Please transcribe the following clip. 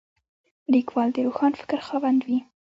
لیکوال د روښان فکر خاوند وي.